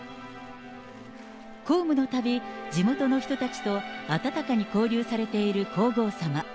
公務のたび、地元の人たちと温かに交流されている皇后さま。